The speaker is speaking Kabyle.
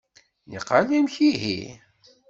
Niqal amek ihi?